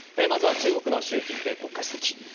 まずは中国の習近平国家主席。